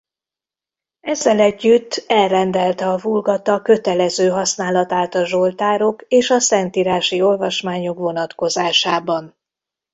Ezzel együtt elrendelte a Vulgata kötelező használatát a zsoltárok és a szentírási olvasmányok vonatkozásában.